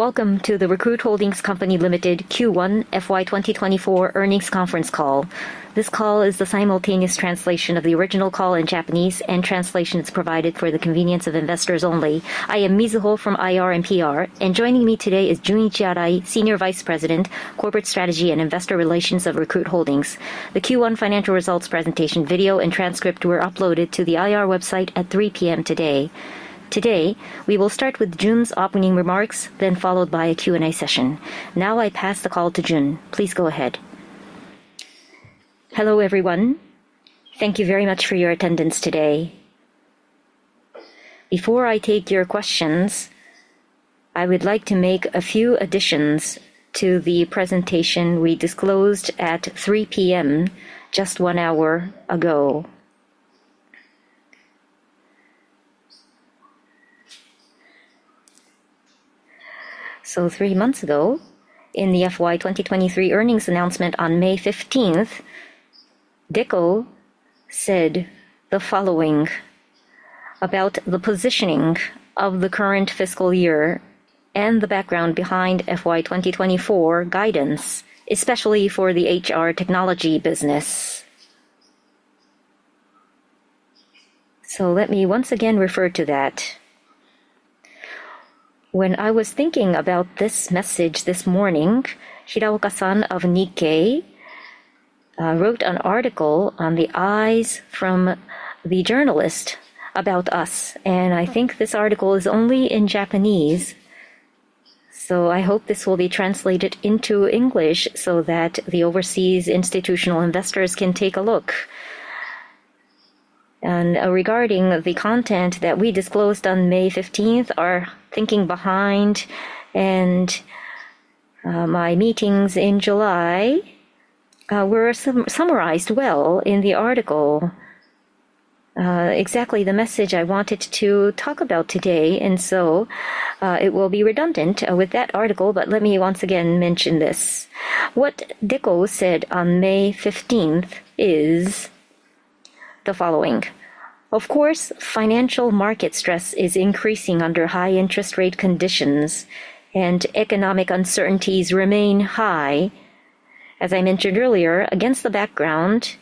Welcome to the Recruit Holdings Company Limited Q1 FY 2024 earnings conference call. This call is the simultaneous translation of the original call in Japanese, and translation is provided for the convenience of investors only. I am Mizuho from IR and PR, and joining me today is Junichi Arai, Senior Vice President, Corporate Strategy and Investor Relations of Recruit Holdings. The Q1 financial results presentation video and transcript were uploaded to the IR website at 3:00 P.M. today. Today, we will start with Jun's opening remarks, then followed by a Q&A session. Now I pass the call to Jun. Please go ahead. Hello, everyone. Thank you very much for your attendance today. Before I take your questions, I would like to make a few additions to the presentation we disclosed at 3:00 P.M., just one hour ago. Three months ago, in the FY 2023 earnings announcement on May fifteenth, Deko said the following about the positioning of the current fiscal year and the background behind FY 2024 guidance, especially for the HR Technology business. Let me once again refer to that. When I was thinking about this message this morning, Hiraoka-san of Nikkei wrote an article on the eyes from the journalist about us, and I think this article is only in Japanese, so I hope this will be translated into English so that the overseas institutional investors can take a look. Regarding the content that we disclosed on May fifteenth, our thinking behind and my meetings in July were summarized well in the article. Exactly the message I wanted to talk about today, and so it will be redundant with that article, but let me once again mention this. What Deko said on May fifteenth is the following: "Of course, financial market stress is increasing under high interest rate conditions, and economic uncertainties remain high. As I mentioned earlier, against the background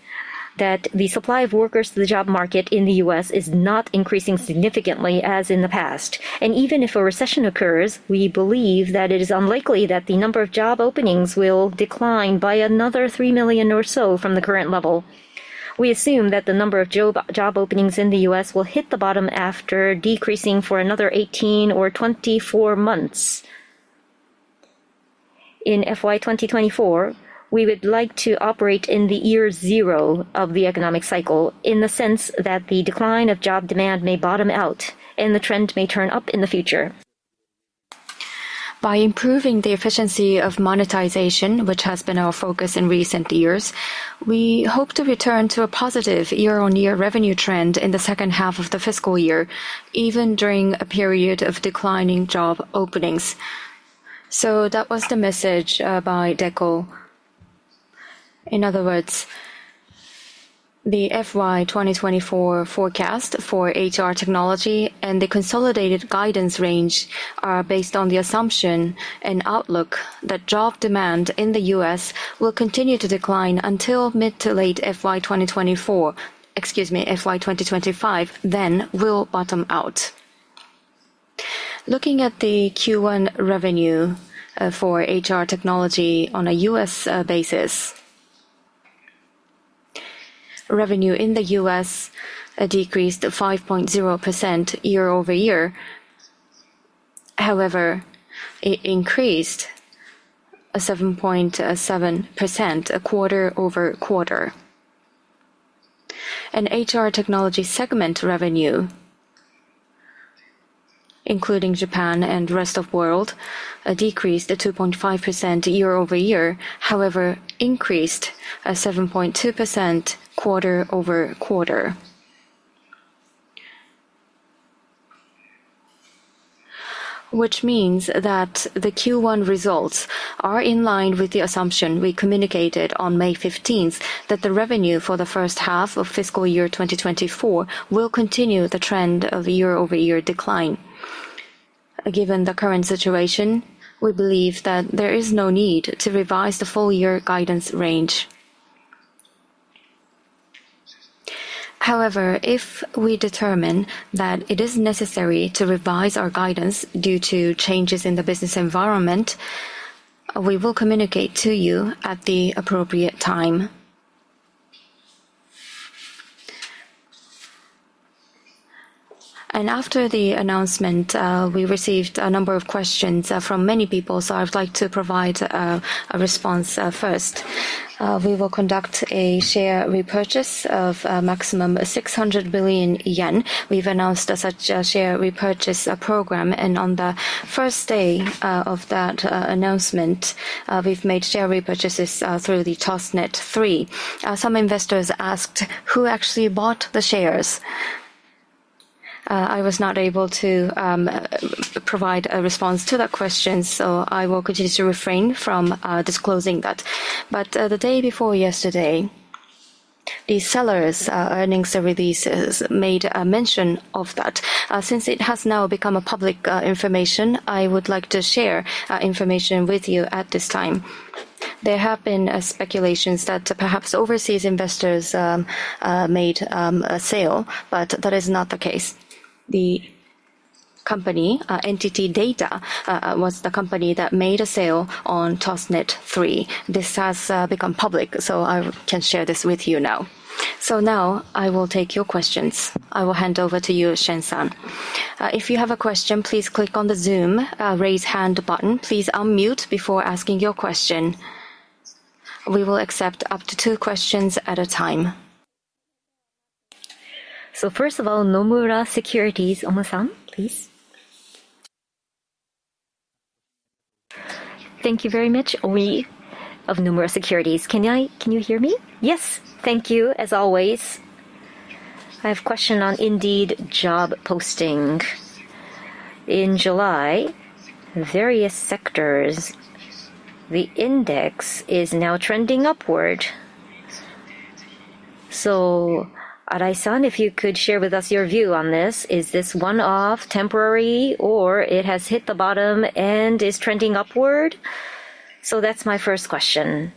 that the supply of workers to the job market in the U.S. is not increasing significantly as in the past, and even if a recession occurs, we believe that it is unlikely that the number of job openings will decline by another 3 million or so from the current level. We assume that the number of job, job openings in the U.S. will hit the bottom after decreasing for another 18 or 24 months. In FY 2024, we would like to operate in the year zero of the economic cycle, in the sense that the decline of job demand may bottom out and the trend may turn up in the future. By improving the efficiency of monetization, which has been our focus in recent years, we hope to return to a positive year-on-year revenue trend in the H2 of the fiscal year, even during a period of declining job openings." So that was the message by Deco. In other words, the FY 2024 forecast for HR Technology and the consolidated guidance range are based on the assumption and outlook that job demand in the U.S. will continue to decline until mid- to late FY 2024... Excuse me, FY 2025, then will bottom out. Looking at the Q1 revenue for HR technology on a U.S. basis, revenue in the U.S. decreased 5.0% quarter-over-quarter. However, it increased 7.7% quarter-over-quarter. HR technology segment revenue, including Japan and rest of world, decreased 2.5% quarter-over-quarter, however, increased 7.2% quarter-over-quarter. Which means that the Q1 results are in line with the assumption we communicated on May fifteenth, that the revenue for the H1 of fiscal year 2024 will continue the trend of quarter-over-quarter decline. Given the current situation, we believe that there is no need to revise the full year guidance range. However, if we determine that it is necessary to revise our guidance due to changes in the business environment, we will communicate to you at the appropriate time. After the announcement, we received a number of questions from many people, so I'd like to provide a response first. We will conduct a share repurchase of maximum 600 billion yen. We've announced such a share repurchase program, and on the first day of that announcement, we've made share repurchases through the ToSTNeT-3. Some investors asked: Who actually bought the shares? I was not able to provide a response to that question, so I will continue to refrain from disclosing that. But the day before yesterday, the sellers' earnings releases made a mention of that. Since it has now become public information, I would like to share information with you at this time. There have been speculations that perhaps overseas investors made a sale, but that is not the case. The company, NTT DATA, was the company that made a sale on ToSTNeT-3. This has become public, so I can share this with you now. So now I will take your questions. I will hand over to you, Shen-san. If you have a question, please click on the Zoom Raise Hand button. Please unmute before asking your question. We will accept up to two questions at a time. So first of all, Nomura Securities, Ooma-san, please. Thank you very much. We, of Nomura Securities. Can you hear me? Yes. Thank you, as always. I have a question on Indeed job posting. In July, various sectors, the index is now trending upward. So Arai-san, if you could share with us your view on this, is this one-off temporary, or it has hit the bottom and is trending upward? So that's my first question.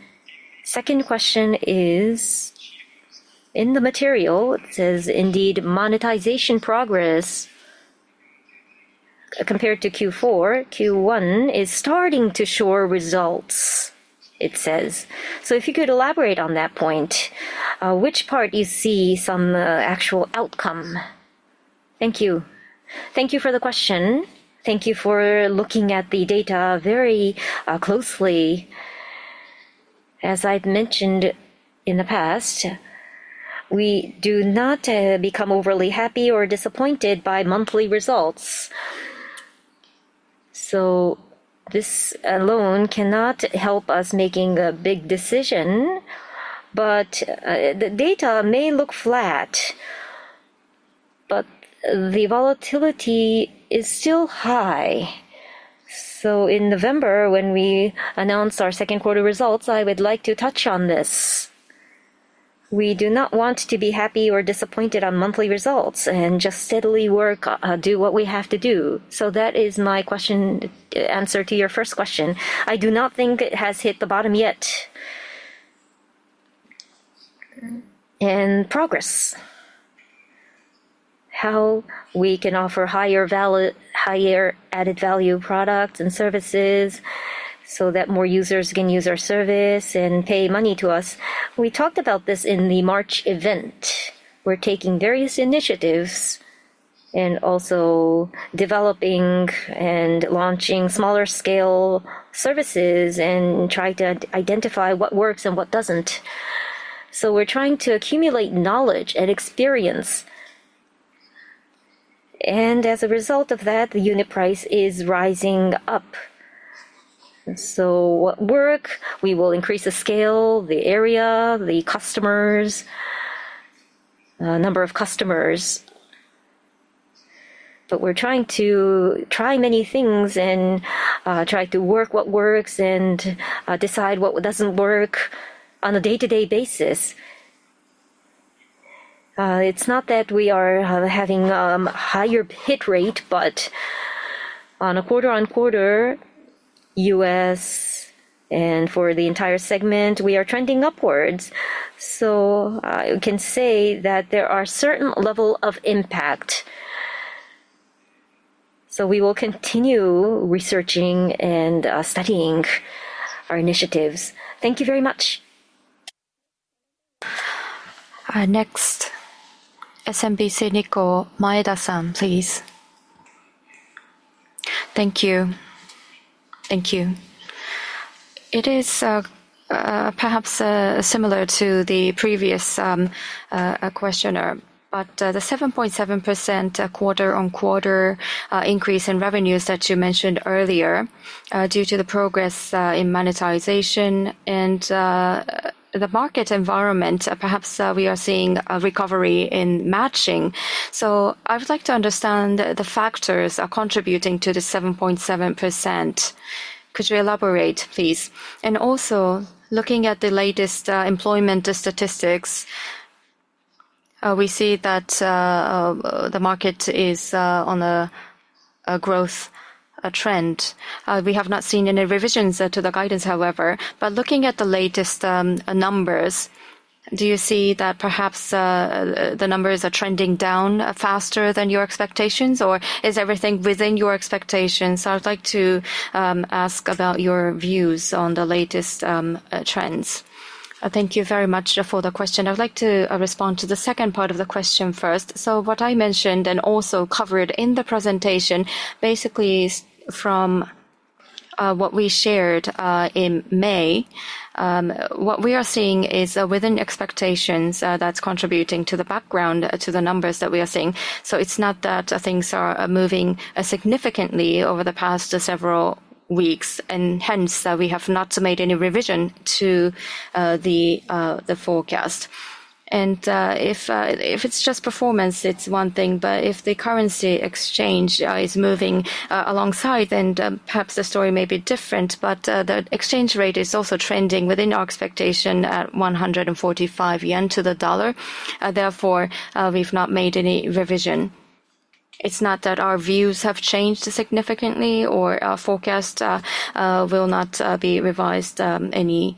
Second question is: in the material, it says Indeed monetization progress, compared to Q4, Q1 is starting to show results, it says. So if you could elaborate on that point, which part you see some actual outcome? Thank you. Thank you for the question. Thank you for looking at the data very closely. As I've mentioned in the past, we do not become overly happy or disappointed by monthly results. So this alone cannot help us making a big decision, but the data may look flat, but the volatility is still high. So in November, when we announced our Q2 results, I would like to touch on this. We do not want to be happy or disappointed on monthly results and just steadily work do what we have to do. So that is my question answer to your first question. I do not think it has hit the bottom yet. And progress, how we can offer higher added value products and services so that more users can use our service and pay money to us. We talked about this in the March event. We're taking various initiatives and also developing and launching smaller scale services and trying to identify what works and what doesn't. So we're trying to accumulate knowledge and experience. And as a result of that, the unit price is rising up. So what work, we will increase the scale, the area, the customers, number of customers. But we're trying to try many things and try to work what works and decide what doesn't work on a day-to-day basis. It's not that we are having higher hit rate, but on a quarter-on-quarter, U.S. and for the entire segment, we are trending upwards. So I can say that there are certain level of impact. So we will continue researching and studying our initiatives. Thank you very much. Next, SMBC Nikko, Maeda-san, please. Thank you. Thank you. It is perhaps similar to the previous questioner, but the 7.7% quarter-on-quarter increase in revenues that you mentioned earlier due to the progress in monetization and the market environment, perhaps we are seeing a recovery in matching. So I would like to understand the factors are contributing to the 7.7%. Could you elaborate, please? And also, looking at the latest employment statistics, we see that the market is on a growth trend. We have not seen any revisions to the guidance, however, but looking at the latest numbers, do you see that perhaps the numbers are trending down faster than your expectations, or is everything within your expectations? I would like to ask about your views on the latest trends. Thank you very much for the question. I would like to respond to the second part of the question first. So what I mentioned and also covered in the presentation, basically is from what we shared in May. What we are seeing is within expectations, that's contributing to the background to the numbers that we are seeing. So it's not that things are moving significantly over the past several weeks, and hence we have not made any revision to the forecast. And if it's just performance, it's one thing, but if the currency exchange is moving alongside, then perhaps the story may be different, but the exchange rate is also trending within our expectation at 145 yen to the dollar. Therefore, we've not made any revision. It's not that our views have changed significantly or our forecast will not be revised any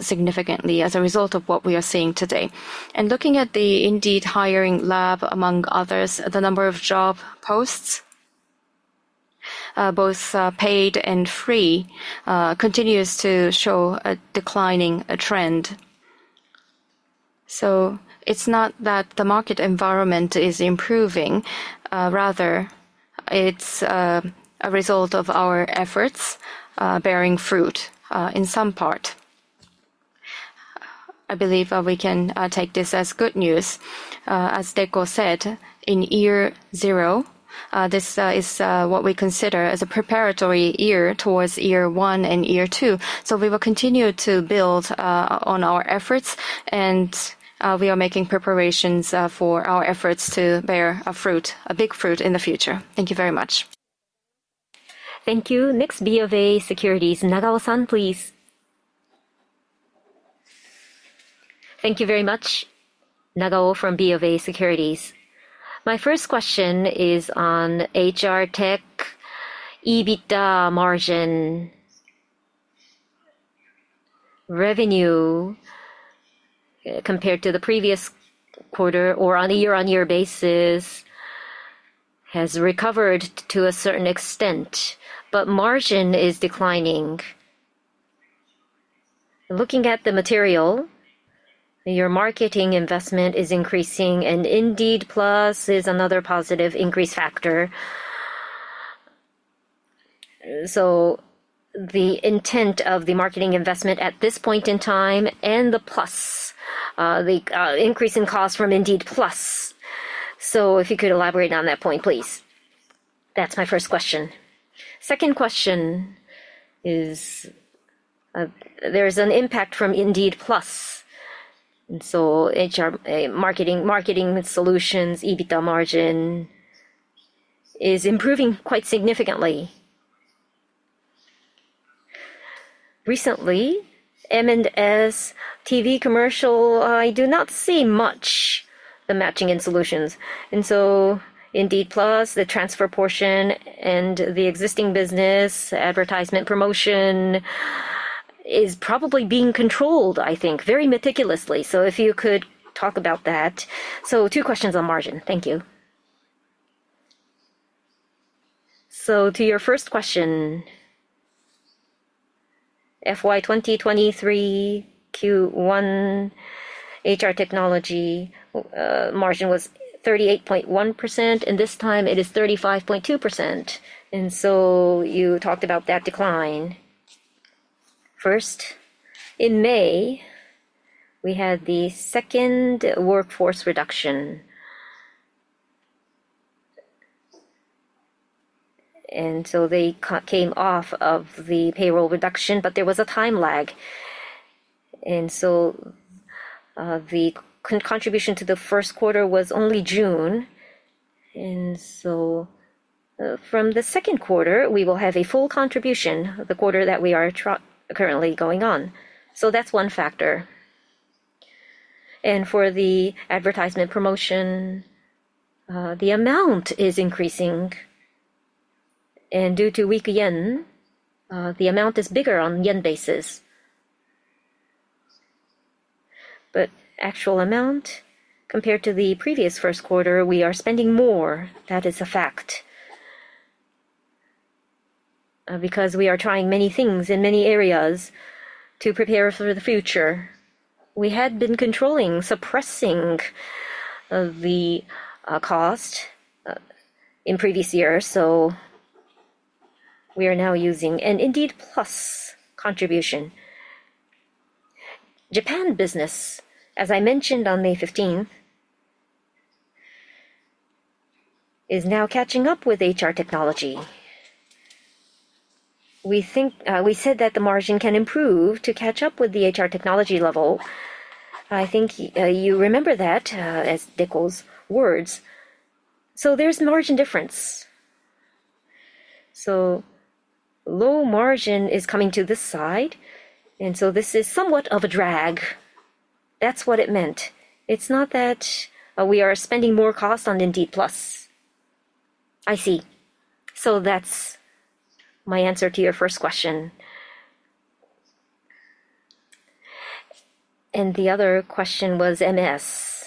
significantly as a result of what we are seeing today. And looking at the Indeed Hiring Lab, among others, the number of job posts both paid and free continues to show a declining trend. So it's not that the market environment is improving, rather it's a result of our efforts bearing fruit in some part. I believe we can take this as good news. As Deco said, in year zero this is what we consider as a preparatory year towards year one and year two. So we will continue to build on our efforts, and we are making preparations for our efforts to bear a fruit, a big fruit in the future. Thank you very much. Thank you. Next, BofA Securities, Nagao-san, please. Thank you very much. Nagao from BofA Securities. My first question is on HR tech EBITDA margin. Revenue compared to the previous quarter or on a year-on-year basis has recovered to a certain extent, but margin is declining. Looking at the material, your marketing investment is increasing, and Indeed Plus is another positive increase factor. So the intent of the marketing investment at this point in time and the plus, the, increase in cost from Indeed Plus. So if you could elaborate on that point, please. That's my first question. Second question is, there's an impact from Indeed Plus, and so HR, marketing, Marketing Solutions, EBITDA margin is improving quite significantly. Recently, M&S TV commercial, I do not see much the Matching & Solutions, and so Indeed Plus, the transfer portion and the existing business advertisement promotion is probably being controlled, I think, very meticulously. So if you could talk about that. So two questions on margin. Thank you. So to your first question, FY 2023 Q1 HR technology margin was 38.1%, and this time it is 35.2%, and so you talked about that decline. First, in May, we had the second workforce reduction. They came off of the payroll reduction, but there was a time lag, and so the contribution to the Q1 was only June. From the Q2, we will have a full contribution, the quarter that we are currently going on. That's one factor. For the advertisement promotion, the amount is increasing, and due to weak yen, the amount is bigger on yen basis. The actual amount compared to the previous Q1, we are spending more. That is a fact. Because we are trying many things in many areas to prepare for the future. We had been controlling, suppressing the cost in previous years, so we are now using an Indeed Plus contribution. Japan business, as I mentioned on May fifteenth, is now catching up with HR technology. We think we said that the margin can improve to catch up with the HR technology level. I think you remember that, as Deco's words. So there's a margin difference. So low margin is coming to this side, and so this is somewhat of a drag. That's what it meant. It's not that we are spending more cost on Indeed Plus. I see. So that's my answer to your first question. And the other question was MS,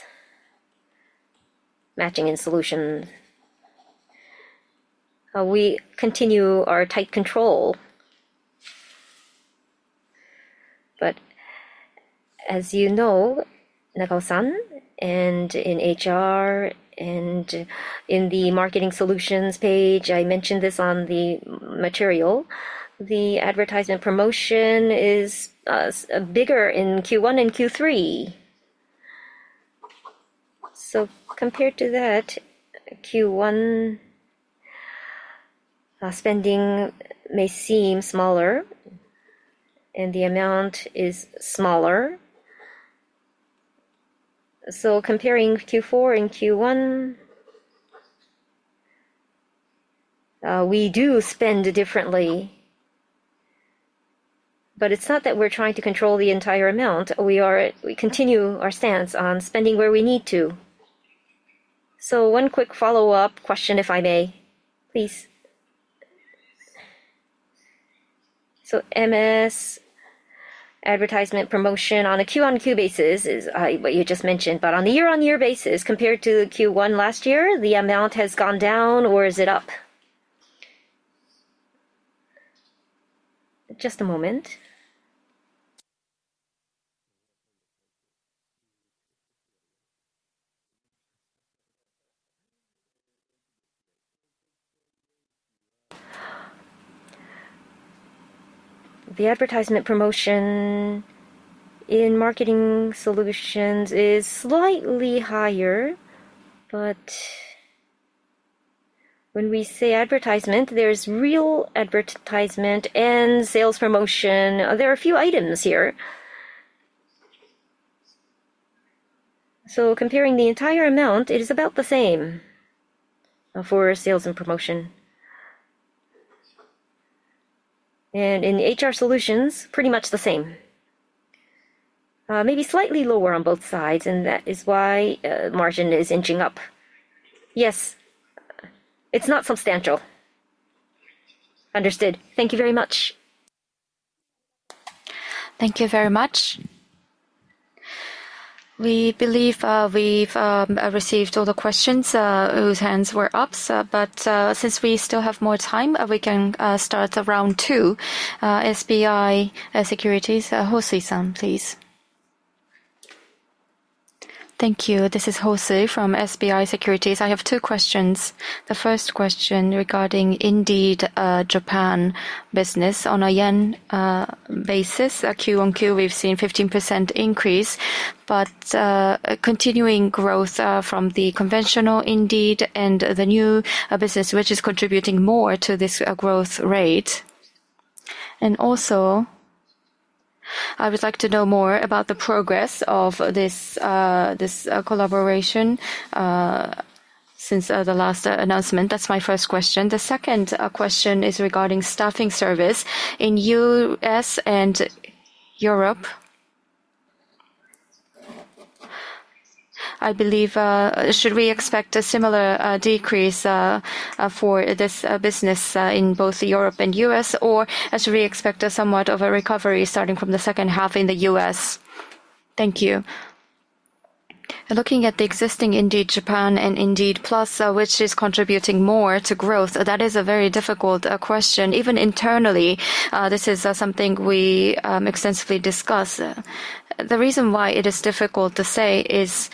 Matching and Solutions. We continue our tight control, but as you know, Nagao-san, and in HR and in the marketing solutions page, I mentioned this on the material, the advertisement promotion is bigger in Q1 and Q3. So compared to that, Q1 spending may seem smaller, and the amount is smaller. So comparing Q4 and Q1, we do spend differently. ...But it's not that we're trying to control the entire amount. We are, we continue our stance on spending where we need to. So one quick follow-up question, if I may, please. So MS advertisement promotion a Q-on-Q basis is what you just mentioned, but on a year-on-year basis, compared to Q1 last year, the amount has gone down, or is it up? Just a moment. The advertisement promotion in marketing solutions is slightly higher, but when we say advertisement, there's real advertisement and sales promotion. There are a few items here. So comparing the entire amount, it is about the same for sales and promotion. And in the HR solutions, pretty much the same. Maybe slightly lower on both sides, and that is why margin is inching up. Yes, it's not substantial. Understood. Thank you very much. Thank you very much. We believe, we've received all the questions whose hands were up, but since we still have more time, we can start round two. SBI Securities, Hosui-san, please. Thank you. This is Hosui from SBI Securities. I have two questions. The first question regarding Indeed Japan business. On a yen basis, Q on Q, we've seen 15% increase, but continuing growth from the conventional Indeed and the new business, which is contributing more to this growth rate. And also, I would like to know more about the progress of this collaboration since the last announcement. That's my first question. The second question is regarding staffing service in U.S. and Europe. I believe... Should we expect a similar decrease for this business in both Europe and U.S., or should we expect a somewhat of a recovery starting from the H2 in the U.S.? Thank you. Looking at the existing Indeed Japan and Indeed Plus, which is contributing more to growth, that is a very difficult question. Even internally, this is something we extensively discuss. The reason why it is difficult to say is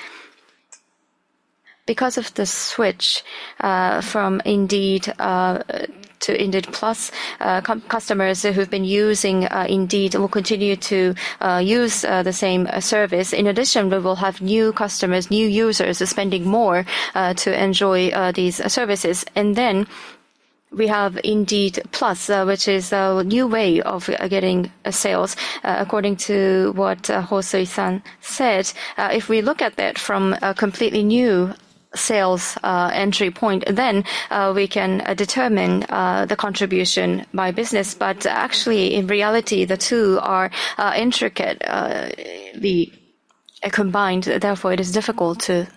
because of the switch from Indeed to Indeed Plus, customers who've been using Indeed will continue to use the same service. In addition, we will have new customers, new users spending more to enjoy these services. And then we have Indeed Plus, which is a new way of getting sales, according to what Hosui-san said. If we look at that from a completely new sales entry point, then we can determine the contribution by business. But actually, in reality, the two are intricate combined. Therefore, it is difficult to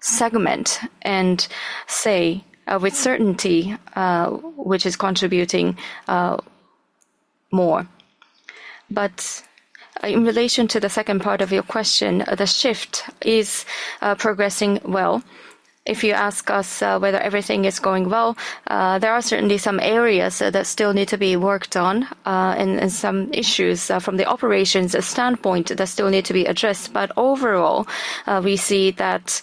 segment and say with certainty which is contributing more. But in relation to the second part of your question, the shift is progressing well. If you ask us whether everything is going well, there are certainly some areas that still need to be worked on, and some issues from the operations standpoint that still need to be addressed. But overall, we see that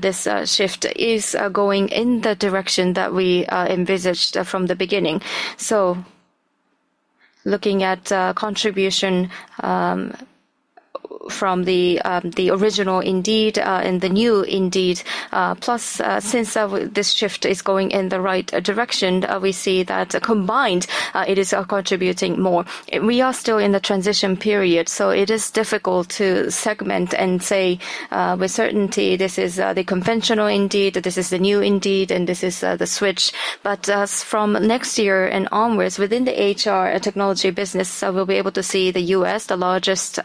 this shift is going in the direction that we envisaged from the beginning. So looking at contribution from the original Indeed and the new Indeed Plus, since this shift is going in the right direction, we see that combined it is contributing more. We are still in the transition period, so it is difficult to segment and say with certainty this is the conventional Indeed, this is the new Indeed, and this is the switch. But as from next year and onwards, within the HR technology business, we'll be able to see the U.S., the largest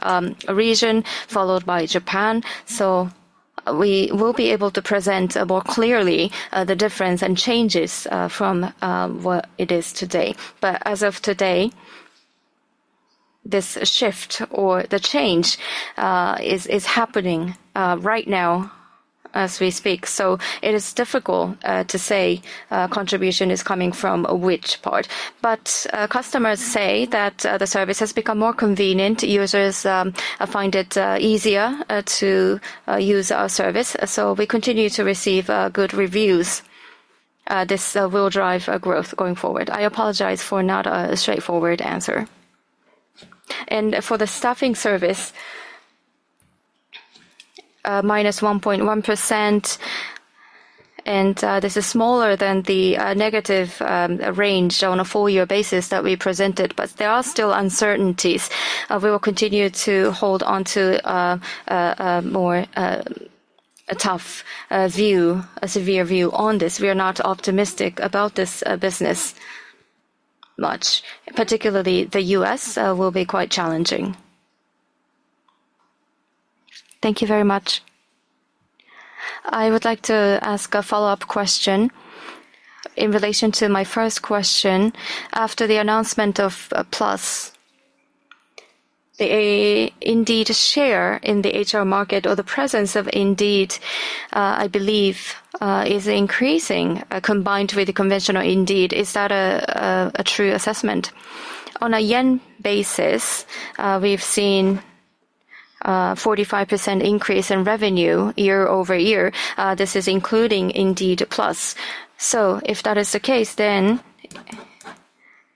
region, followed by Japan. So we will be able to present more clearly the difference and changes from what it is today. But as of today, this shift or the change is happening right now as we speak. So it is difficult to say contribution is coming from which part. But customers say that the service has become more convenient. Users find it easier to use our service, so we continue to receive good reviews. This will drive growth going forward. I apologize for not a straightforward answer. And for the staffing service, minus 1.1%, and this is smaller than the negative range on a full year basis that we presented, but there are still uncertainties. We will continue to hold on to a more... a tough view, a severe view on this. We are not optimistic about this business much. Particularly the U.S. will be quite challenging. Thank you very much. I would like to ask a follow-up question in relation to my first question. After the announcement of Plus, the Indeed share in the HR market or the presence of Indeed, I believe, is increasing, combined with the conventional Indeed. Is that a true assessment? On a yen basis, we've seen a 45% increase in revenue quarter-over-quarter. This is including Indeed Plus. So if that is the case, then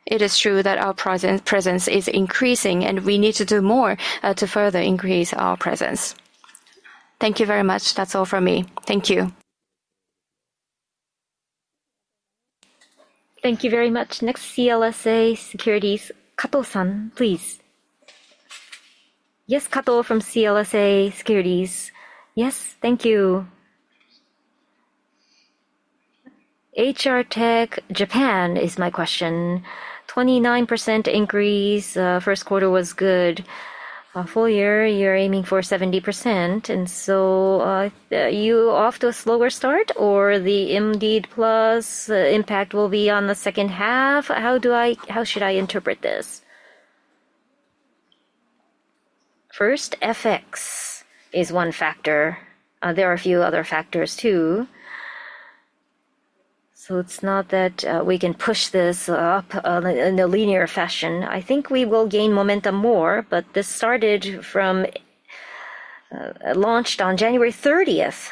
it is true that our presence is increasing, and we need to do more to further increase our presence. Thank you very much. That's all from me. Thank you. Thank you very much. Next, CLSA Securities, Kato-san, please. Yes, Kato from CLSA Securities. Yes, thank you. HR Tech Japan is my question. 29% increase, Q1 was good. Full year, you're aiming for 70%, and so, you off to a slower start, or the Indeed Plus impact will be on the H2? How do I-- How should I interpret this? First, FX is one factor. There are a few other factors too. So it's not that we can push this up in a linear fashion. I think we will gain momentum more, but this started from launched on January thirtieth.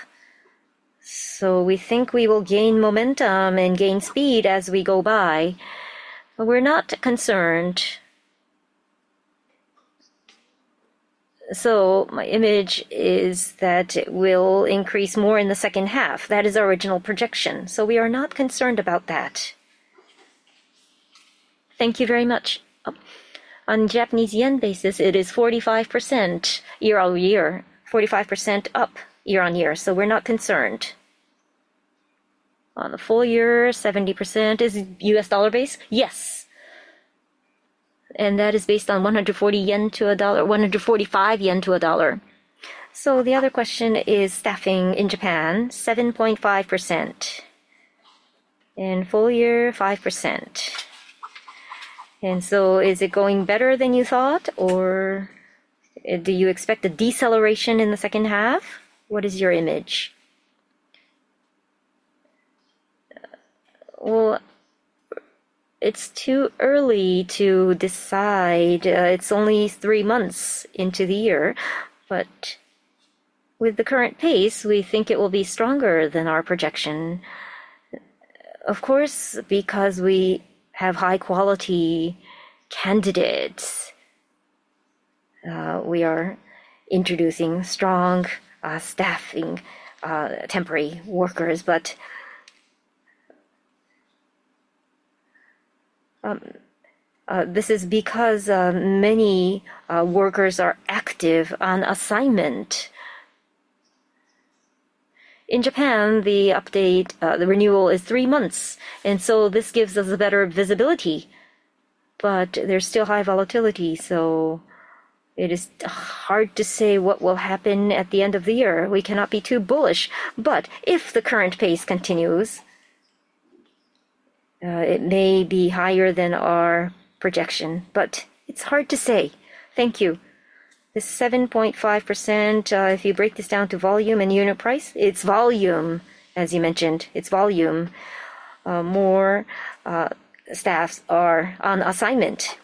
So we think we will gain momentum and gain speed as we go by, but we're not concerned. So my image is that it will increase more in the H2. That is our original projection, so we are not concerned about that. Thank you very much. On Japanese yen basis, it is 45% quarter-over-quarter. 45% up quarter-over-quarter, so we're not concerned. On the full year, 70%. Is it U.S. dollar basis? Yes. And that is based on 140 yen to $1 - 145 JPY to $1. So the other question is staffing in Japan, 7.5%, and full year, 5%. And so is it going better than you thought, or do you expect a deceleration in the H2? What is your image? Well, it's too early to decide. It's only three months into the year, but with the current pace, we think it will be stronger than our projection. Of course, because we have high-quality candidates, we are introducing strong staffing temporary workers. But this is because many workers are active on assignment. In Japan, the update, the renewal is three months, and so this gives us a better visibility. But there's still high volatility, so it is hard to say what will happen at the end of the year. We cannot be too bullish, but if the current pace continues, it may be higher than our projection, but it's hard to say. Thank you. The 7.5%, if you break this down to volume and unit price, it's volume, as you mentioned. It's volume. More staffs are on assignment.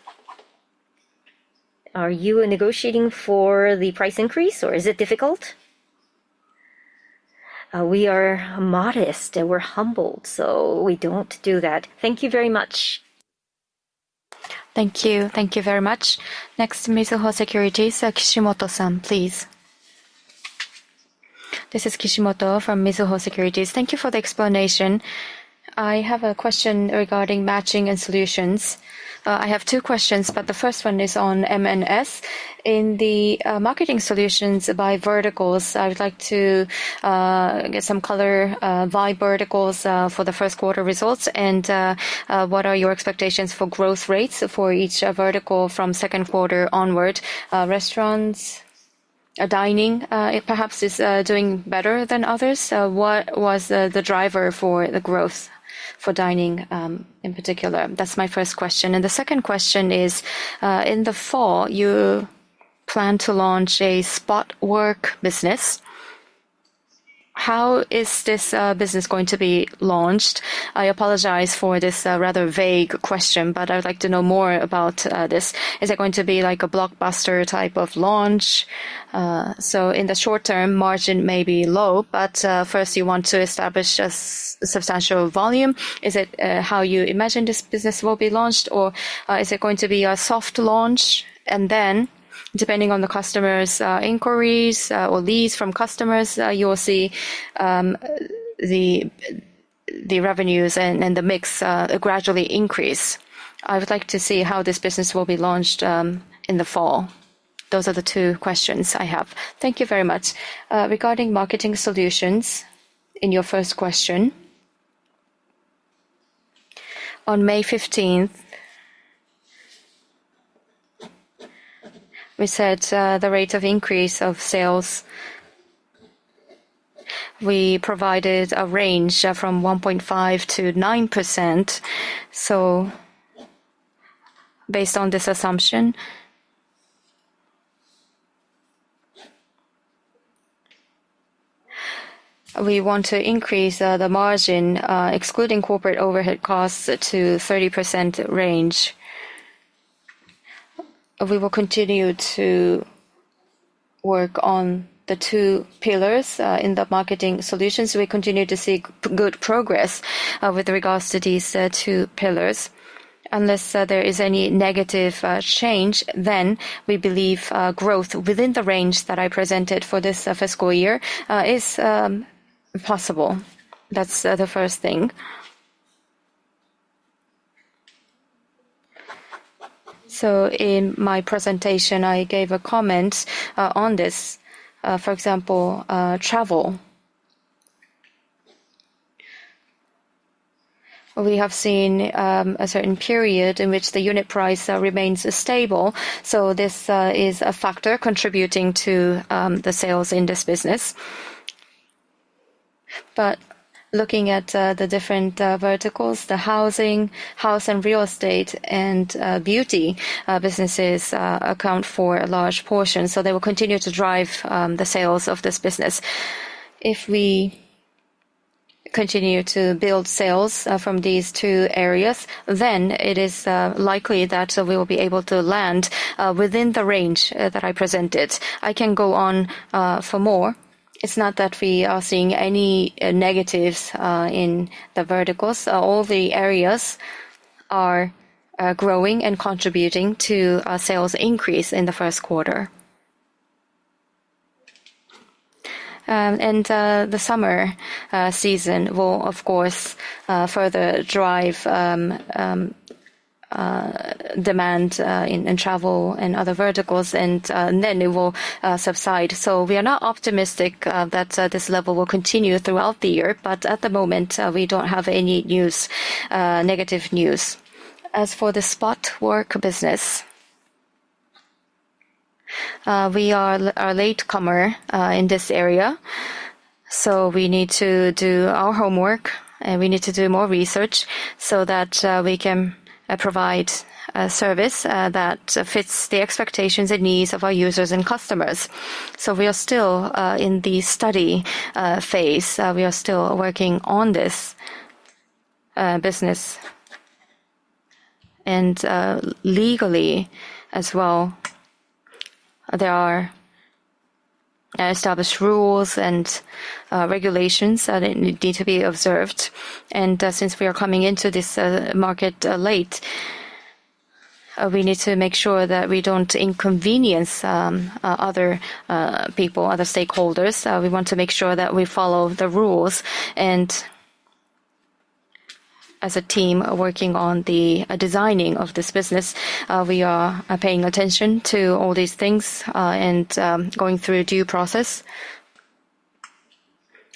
Are you negotiating for the price increase, or is it difficult? We are modest, and we're humbled, so we don't do that. Thank you very much. Thank you. Thank you very much. Next, Mizuho Securities, Kishimoto-san, please. This is Kishimoto from Mizuho Securities. Thank you for the explanation. I have a question regarding matching and solutions. I have two questions, but the first one is on M&S. In the marketing solutions by verticals, I would like to get some color by verticals for the Q1 results, and what are your expectations for growth rates for each vertical from Q2 onward? Restaurants, dining, perhaps is doing better than others. So what was the driver for the growth for dining in particular? That's my first question. And the second question is, in the fall, you plan to launch a spot work business. How is this business going to be launched? I apologize for this rather vague question, but I would like to know more about this. Is it going to be like a blockbuster type of launch? So in the short term, margin may be low, but first you want to establish a substantial volume. Is it how you imagine this business will be launched, or is it going to be a soft launch, and then, depending on the customers' inquiries or leads from customers, you will see the revenues and the mix gradually increase. I would like to see how this business will be launched in the fall. Those are the two questions I have. Thank you very much. Regarding marketing solutions, in your first question, on May fifteenth, we said the rate of increase of sales, we provided a range from 1.5%-9%. So based on this assumption, we want to increase the margin excluding corporate overhead costs to 30% range. We will continue to work on the two pillars in the Marketing Solutions. We continue to see good progress with regards to these two pillars. Unless there is any negative change, then we believe growth within the range that I presented for this fiscal year is possible. That's the first thing. So in my presentation, I gave a comment on this, for example, travel. We have seen a certain period in which the unit price remains stable, so this is a factor contributing to the sales in this business. But looking at the different verticals, the housing, house and real estate, and beauty businesses account for a large portion, so they will continue to drive the sales of this business. If we continue to build sales from these two areas, then it is likely that we will be able to land within the range that I presented. I can go on for more. It's not that we are seeing any negatives in the verticals. All the areas are growing and contributing to a sales increase in the Q1. The summer season will, of course, further drive demand in travel and other verticals, and then it will subside. So we are not optimistic that this level will continue throughout the year, but at the moment we don't have any news, negative news. As for the spot work business, we are a latecomer in this area, so we need to do our homework, and we need to do more research so that we can provide a service that fits the expectations and needs of our users and customers. So we are still in the study phase. We are still working on this business. And legally as well, there are established rules and regulations that need to be observed. And since we are coming into this market late, we need to make sure that we don't inconvenience other people, other stakeholders. We want to make sure that we follow the rules, and as a team working on the designing of this business, we are paying attention to all these things, and going through due process.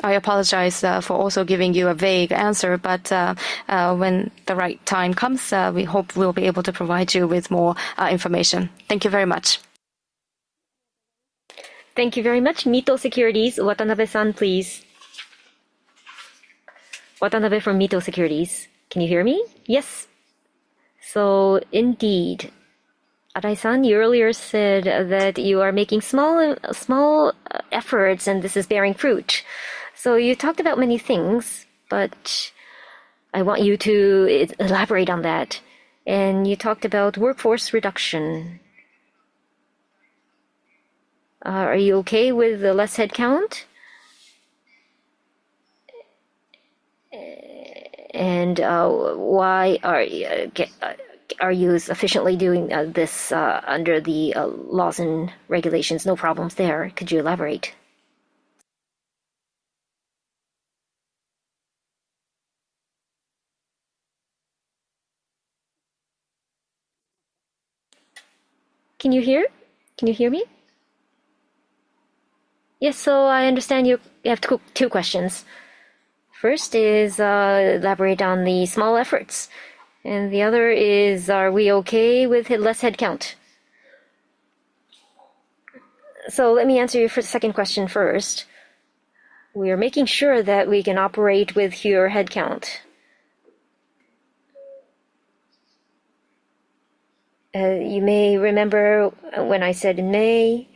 I apologize for also giving you a vague answer, but when the right time comes, we hope we'll be able to provide you with more information. Thank you very much. Thank you very much. Mito Securities, Watanabe-san, please. Watanabe from Mito Securities. Can you hear me? Yes. So indeed, Arai-san, you earlier said that you are making small, small efforts, and this is bearing fruit. So you talked about many things, but I want you to elaborate on that. And you talked about workforce reduction. Are you okay with the less headcount? And why are you efficiently doing this under the laws and regulations? No problems there. Could you elaborate? Can you hear me? Yes, so I understand you have two questions. First is elaborate on the small efforts, and the other is, are we okay with less headcount? So let me answer your second question first. We are making sure that we can operate with fewer headcount. You may remember when I said in May,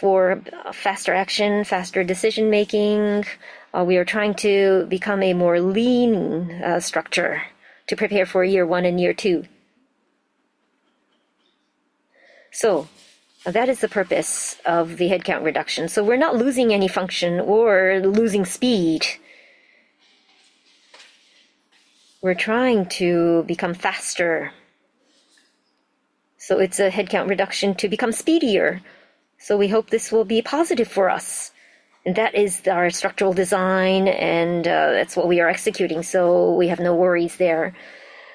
for faster action, faster decision-making, we are trying to become a more lean structure to prepare for year one and year two. So that is the purpose of the headcount reduction. So we're not losing any function or losing speed. ...We're trying to become faster. So it's a headcount reduction to become speedier. So we hope this will be positive for us, and that is our structural design, and that's what we are executing, so we have no worries there.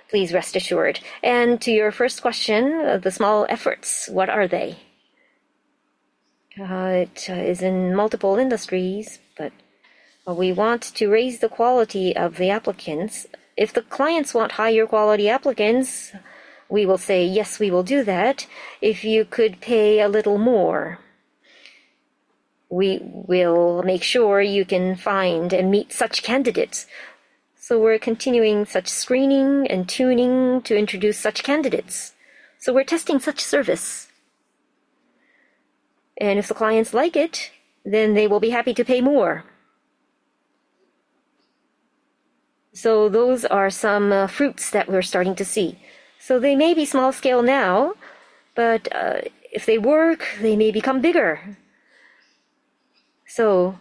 Please rest assured. And to your first question, the small efforts, what are they? It is in multiple industries, but we want to raise the quality of the applicants. If the clients want higher quality applicants, we will say, "Yes, we will do that. If you could pay a little more, we will make sure you can find and meet such candidates." So we're continuing such screening and tuning to introduce such candidates. So we're testing such service. And if the clients like it, then they will be happy to pay more. So those are some fruits that we're starting to see. So they may be small scale now, but if they work, they may become bigger. So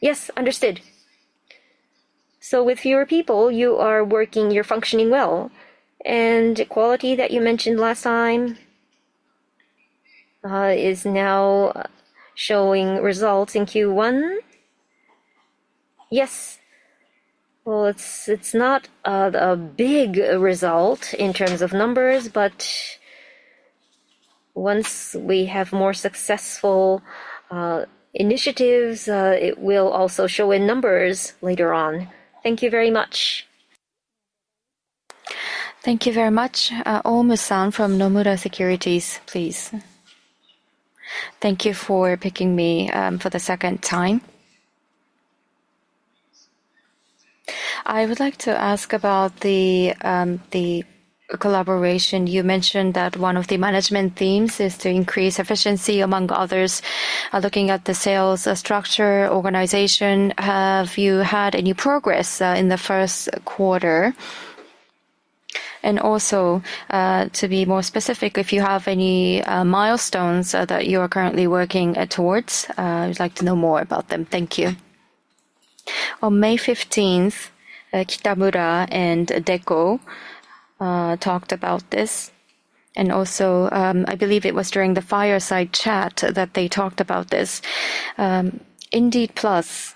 yes, understood. So with fewer people, you are working, you're functioning well, and quality that you mentioned last time is now showing results in Q1? Yes. Well, it's not a big result in terms of numbers, but once we have more successful initiatives, it will also show in numbers later on. Thank you very much. Thank you very much. Omo-san from Nomura Securities, please. Thank you for picking me for the second time. I would like to ask about the collaboration. You mentioned that one of the management themes is to increase efficiency among others. Looking at the sales structure, organization, have you had any progress in the Q1? And also, to be more specific, if you have any milestones that you are currently working towards, I would like to know more about them. Thank you. On May fifteenth, Kitamura and Deco talked about this, and also, I believe it was during the fireside chat that they talked about this. Indeed Plus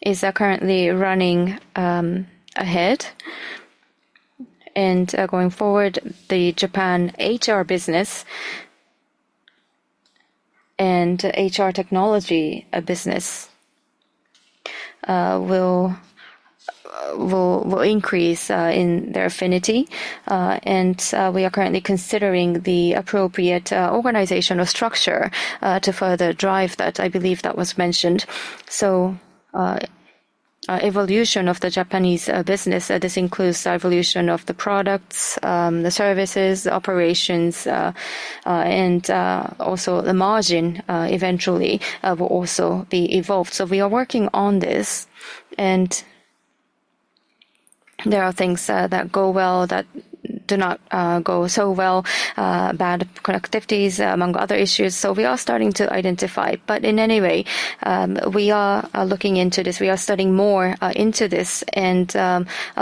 is currently running ahead. Going forward, the Japan HR business and HR technology business will increase in their affinity. We are currently considering the appropriate organizational structure to further drive that. I believe that was mentioned. Evolution of the Japanese business, this includes evolution of the products, the services, the operations, and also the margin eventually will also be evolved. We are working on this, and there are things that go well, that do not go so well, bad connectivities among other issues. We are starting to identify. But in any way, we are looking into this. We are studying more into this, and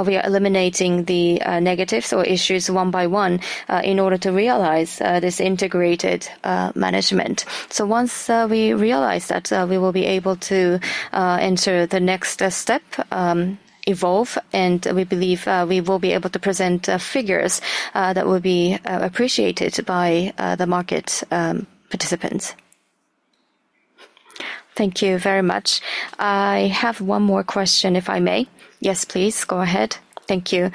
we are eliminating the negatives or issues one by one in order to realize this integrated management. So once we realize that, we will be able to enter the next step, evolve, and we believe we will be able to present figures that will be appreciated by the market participants. Thank you very much. I have one more question, if I may. Yes, please. Go ahead. Thank you.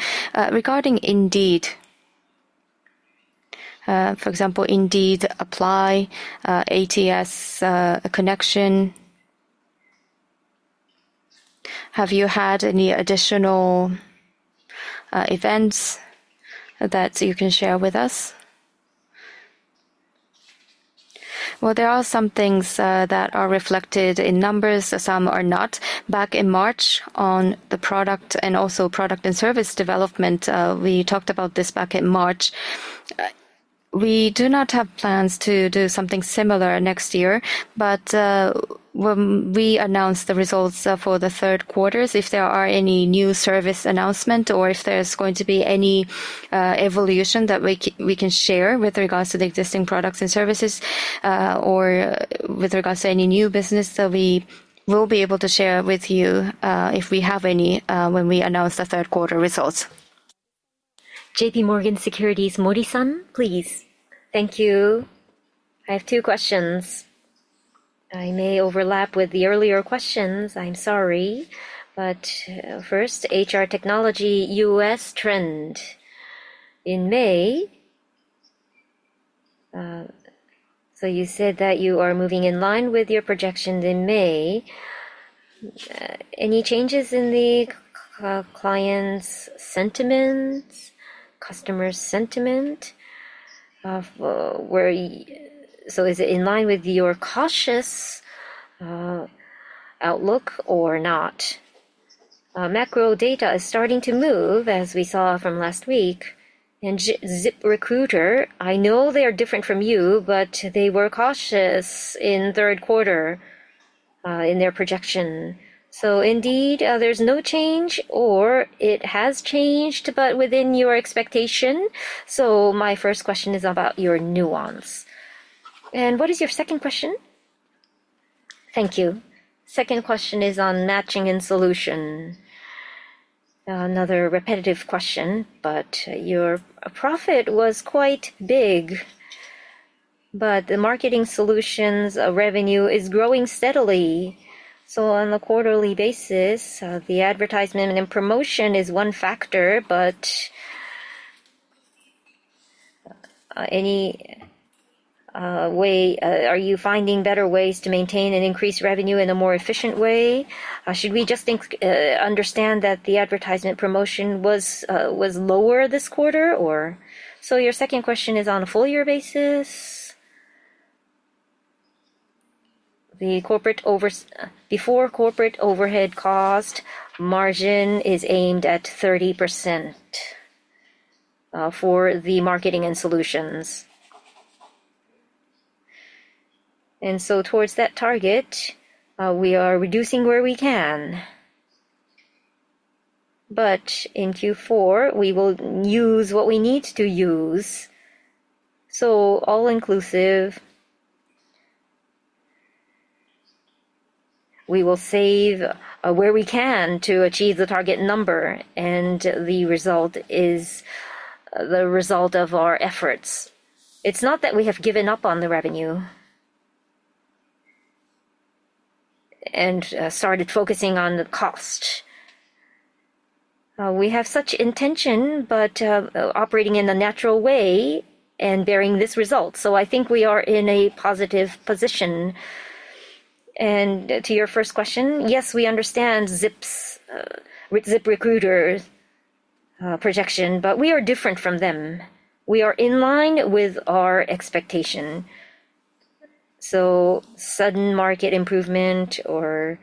Regarding Indeed, for example, Indeed Apply, ATS connection, have you had any additional events that you can share with us? Well, there are some things that are reflected in numbers, some are not. Back in March, on the product and also product and service development, we talked about this back in March. We do not have plans to do something similar next year, but when we announce the results for the Q3s, if there are any new service announcement or if there's going to be any evolution that we can share with regards to the existing products and services, or with regards to any new business, so we will be able to share with you if we have any when we announce the Q3 results. JP Morgan Securities, Mori-san, please. Thank you. I have two questions. I may overlap with the earlier questions. I'm sorry. But first, HR technology U.S. trend. In May, so you said that you are moving in line with your projections in May. Any changes in the client's sentiments, customer sentiment of where, so is it in line with your cautious outlook or not? Macro data is starting to move, as we saw from last week. And ZipRecruiter, I know they are different from you, but they were cautious in Q3.... in their projection. So indeed, there's no change, or it has changed, but within your expectation. So my first question is about your nuance. And what is your second question? Thank you. Second question is on Matching & Solutions. Another repetitive question, but your profit was quite big, but the Marketing Solutions revenue is growing steadily. So on a quarterly basis, the advertisement and promotion is one factor, but, any way... Are you finding better ways to maintain an increased revenue in a more efficient way? Should we just think, understand that the advertisement promotion was, was lower this quarter, or? So your second question is on a full year basis. The corporate overs- before corporate overhead cost, margin is aimed at 30%, for the Marketing Solutions. And so towards that target, we are reducing where we can. But in Q4, we will use what we need to use. So all inclusive, we will save, where we can to achieve the target number, and the result is the result of our efforts. It's not that we have given up on the revenue, and, started focusing on the cost. We have such intention, but, operating in a natural way and bearing this result. So I think we are in a positive position. And to your first question, yes, we understand Zips, ZipRecruiter, projection, but we are different from them. We are in line with our expectation. So sudden market improvement or,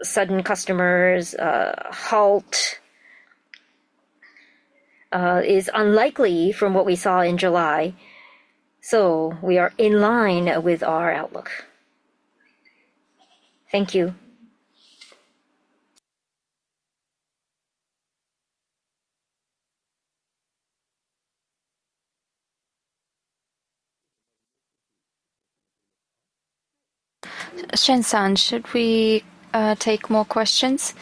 sudden customers, halt, is unlikely from what we saw in July, so we are in line with our outlook. Thank you. Shen-san, should we take more questions?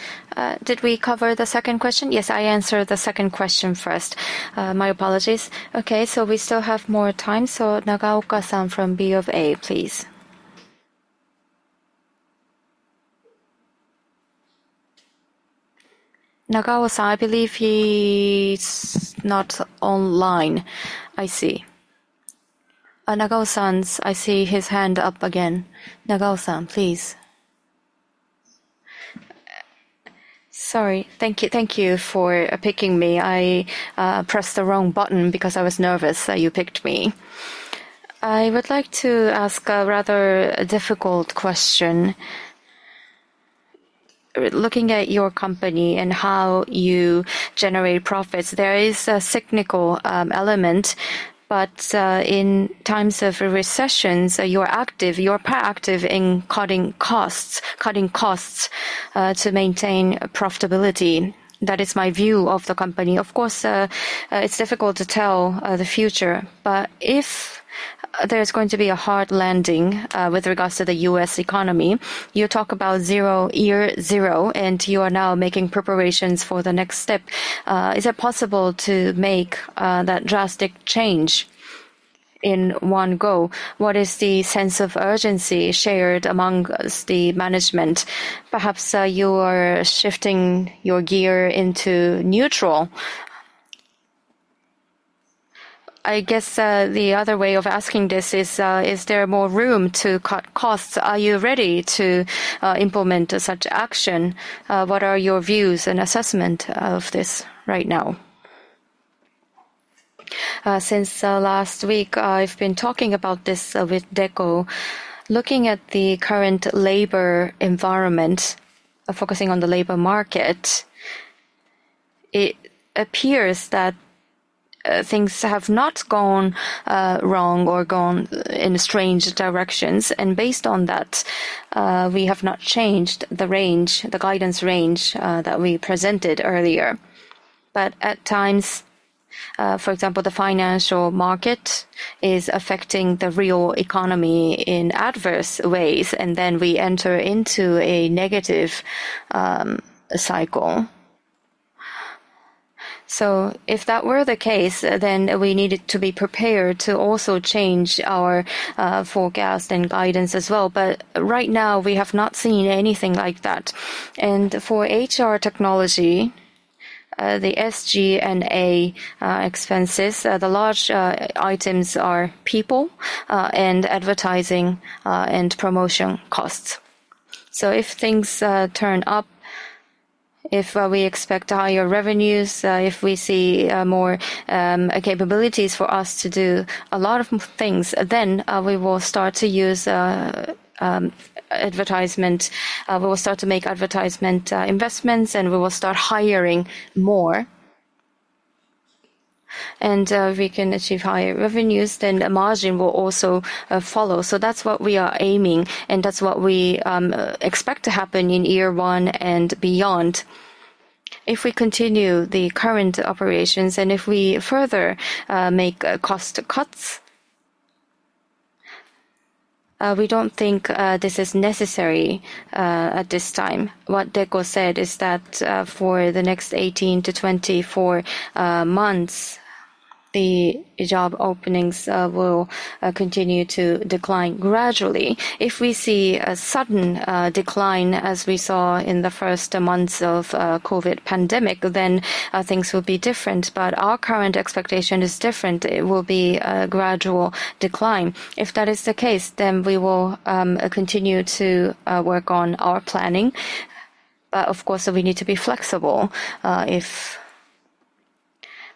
Did we cover the second question? Yes, I answered the second question first. My apologies. Okay, so we still have more time, so Nagaoka-san from BofA, please. Nagaoka-san, I believe he's not online. I see. Nagaoka-san's, I see his hand up again. Nagaoka-san, please. Sorry. Thank you, thank you for picking me. I pressed the wrong button because I was nervous that you picked me. I would like to ask a rather difficult question. Looking at your company and how you generate profits, there is a cyclical element, but in times of a recession, so you're active, you're proactive in cutting costs, cutting costs to maintain profitability. That is my view of the company. Of course, it's difficult to tell the future, but if there's going to be a hard landing with regards to the U.S. economy, you talk about zero, year zero, and you are now making preparations for the next step. Is it possible to make that drastic change in one go? What is the sense of urgency shared among the management? Perhaps you're shifting your gear into neutral. I guess, the other way of asking this is, is there more room to cut costs? Are you ready to implement such action? What are your views and assessment of this right now? Since last week, I've been talking about this with Deco. Looking at the current labor environment, focusing on the labor market, it appears that things have not gone wrong or gone in strange directions, and based on that, we have not changed the range, the guidance range that we presented earlier. But at times, for example, the financial market is affecting the real economy in adverse ways, and then we enter into a negative cycle. So if that were the case, then we needed to be prepared to also change our forecast and guidance as well. But right now, we have not seen anything like that. And for HR technology, the SG&A expenses, the large items are people and advertising and promotion costs. So if things turn up, if we expect higher revenues, if we see more capabilities for us to do a lot of things, then we will start to use advertisement. We will start to make advertisement investments, and we will start hiring more. ... and, we can achieve higher revenues, then the margin will also, follow. So that's what we are aiming, and that's what we, expect to happen in year one and beyond. If we continue the current operations and if we further, make, cost cuts, we don't think, this is necessary, at this time. What Deco said is that, for the next 18-24 months, the job openings, will, continue to decline gradually. If we see a sudden, decline as we saw in the first months of, COVID pandemic, then, things will be different. But our current expectation is different. It will be a gradual decline. If that is the case, then we will, continue to, work on our planning. But of course, we need to be flexible,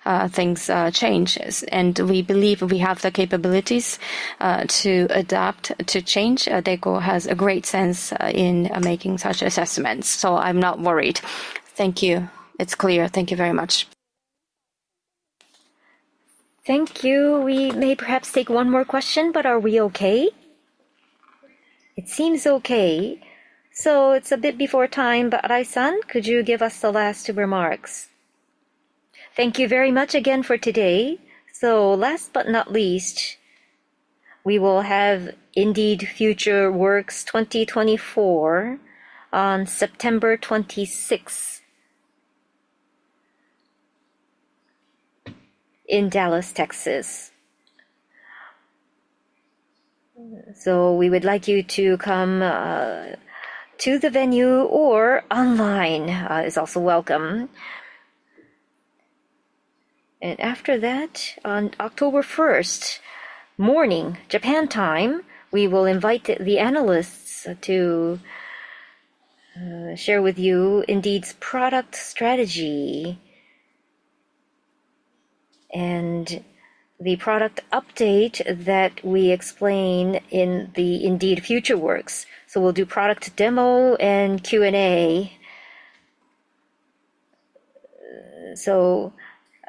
if things changes. And we believe we have the capabilities, to adapt to change. Deco has a great sense, in making such assessments, so I'm not worried. Thank you. It's clear. Thank you very much. Thank you. We may perhaps take one more question, but are we okay? It seems okay. So it's a bit before time, but Arai-san, could you give us the last remarks? Thank you very much again for today. So last but not least, we will have Indeed FutureWorks 2024 on September 26th in Dallas, Texas. So we would like you to come to the venue or online is also welcome. And after that, on October 1st morning, Japan time, we will invite the analysts to share with you Indeed's product strategy and the product update that we explain in the Indeed FutureWorks. So we'll do product demo and Q&A. So,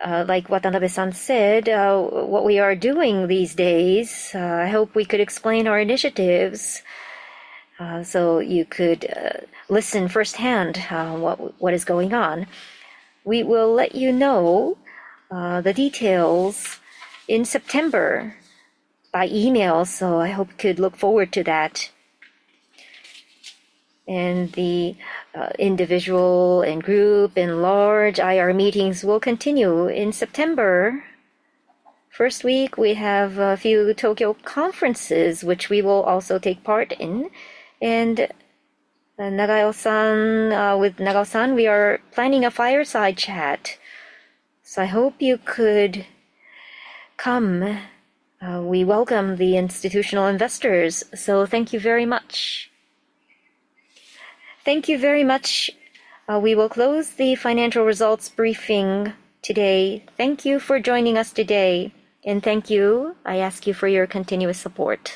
like Watanabe-san said, what we are doing these days, I hope we could explain our initiatives, so you could listen firsthand what is going on. We will let you know the details in September by email, so I hope you could look forward to that. And the individual and group and large IR meetings will continue in September. First week, we have a few Tokyo conferences, which we will also take part in. And and Nagao-san with Nagao-san, we are planning a fireside chat, so I hope you could come. We welcome the institutional investors, so thank you very much. Thank you very much. We will close the financial results briefing today. Thank you for joining us today, and thank you. I ask you for your continuous support.